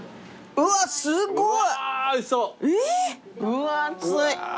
うわーすごい。